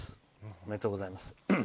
おめでとうございます。